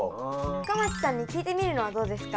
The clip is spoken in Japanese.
深町さんに聞いてみるのはどうですか？